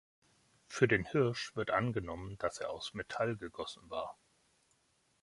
Für den Hirsch wird angenommen, dass er aus Metall gegossen war.